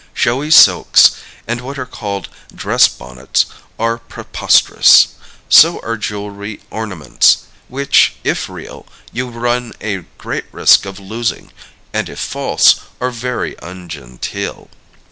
Showy silks, and what are called dress bonnets, are preposterous; so are jewelry ornaments which, if real, you run a great risk of losing, and if false, are very ungenteel.